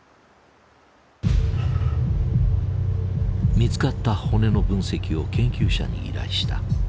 見つかった骨の分析を研究者に依頼した。